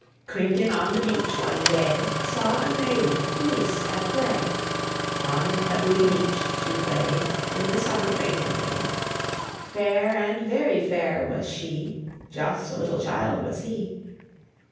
Krinken on the beach one day Saw a maiden Nis at play; On the pebbly beach she played In the summer Krinken made. Fair, and very fair, was she, Just a little child was he.